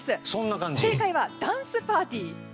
正解はダンスパーティー。